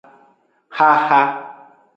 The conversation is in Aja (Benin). Xaxa.